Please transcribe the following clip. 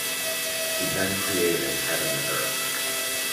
He then created Heaven and Earth.